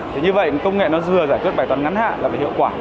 thế như vậy công nghệ nó dừa giải quyết bài toán ngắn hạ là hiệu quả